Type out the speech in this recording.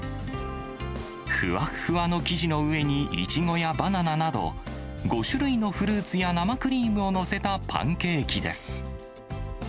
ふわっふわの生地の上にイチゴやバナナなど、５種類のフルーツや生クリームを載せたパンケーキです。